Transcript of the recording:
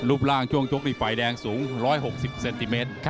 รูปร่างช่วงชกนี่ฝ่ายแดงสูง๑๖๐เซนติเมตร